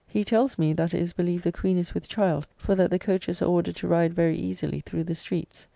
He tells me, that it is believed the Queen is with child, for that the coaches are ordered to ride very easily through the streets.